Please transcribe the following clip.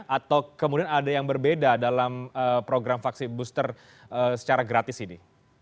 atau kemudian ada yang berbeda dalam program vaksin booster secara gratis ini